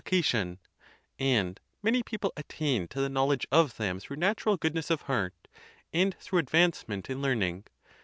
iii iv many people attain to the knowledge of them through natural goodness of heart and through advancement in Learning.